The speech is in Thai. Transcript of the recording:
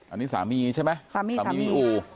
อันนี้สามีใช่ไหมสามีสามีที่อู่